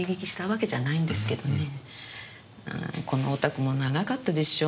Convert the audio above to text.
このお宅も長かったでしょ？